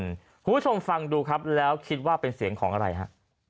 คุณผู้ชมฟังดูครับแล้วคิดว่าเป็นเสียงของอะไรฮะ